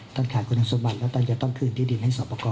ท่านขาดคุณสมบัติแล้วต้านจะต้องคืนที่ดินให้สอปกรณ์ครับ